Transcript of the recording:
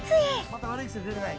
また悪いクセ出てない？